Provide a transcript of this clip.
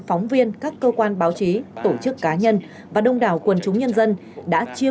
phóng viên các cơ quan báo chí tổ chức cá nhân và đông đảo quần chúng nhân dân đã chia